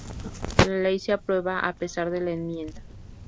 La ley se aprobará a pesar de la enmienda.